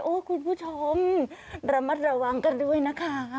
คุณผู้ชมระมัดระวังกันด้วยนะคะ